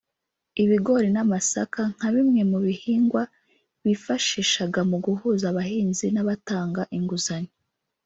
Ibigori n’Amasaka nka bimwe mu bihingwa bifashishaga mu guhuza abahinzi n’abatanga inguzanyo